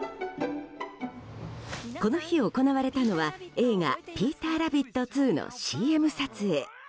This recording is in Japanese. この日行われたのは映画「ピーターラビット２」のＣＭ撮影。